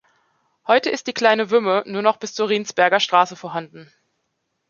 Heute ist die kleine Wümme nur noch bis zur Riensberger Straße vorhanden.